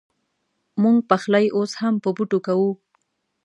مونږ پخلی اوس هم په بوټو کوو